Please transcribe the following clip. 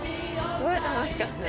すごい楽しかった。